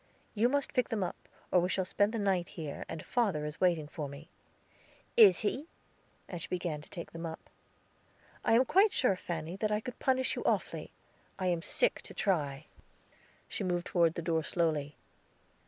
"You must pick them up, or we shall spend the night here, and father is waiting for me." "Is he?" and she began to take them up. "I am quite sure, Fanny, that I could punish you awfully. I am sick to try." She moved toward the door slowly.